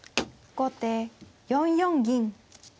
後手４四銀。